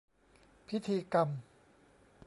พิธีกรรม